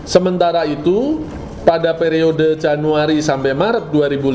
sementara itu pada periode januari sampai maret dua ribu lima belas